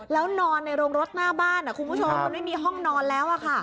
แล้วนอนในโรงรถหน้าบ้านคุณผู้ชมมันไม่มีห้องนอนแล้ว